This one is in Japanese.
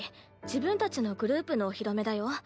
自分たちのグループのお披露目だよ。